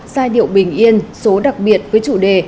giai điệu bình yên số đặc biệt với chủ đề